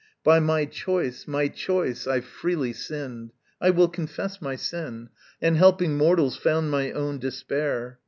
By my choice, my choice, I freely sinned I will confess my sin And helping mortals, found my own despair.